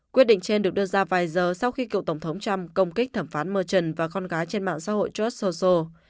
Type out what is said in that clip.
quyết định trên được đưa ra vài giờ sau khi cựu tổng thống trump công kích thẩm phán machen và con gái trên mạng xã hội trust social